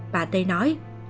bà tê nói